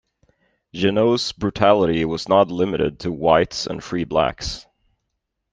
Jeannot's brutality was not limited to whites and free blacks.